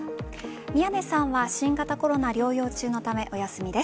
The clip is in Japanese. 宮根さんは新型コロナ療養中のためお休みです。